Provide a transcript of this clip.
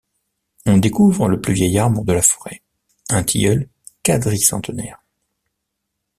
On découvre le plus vieil arbre de la forêt, un tilleul quadricentenaire.